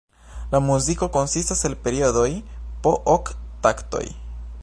La muziko konsistas el periodoj po ok taktoj.